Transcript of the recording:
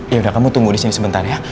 yaudah kamu tunggu di sini sebentar ya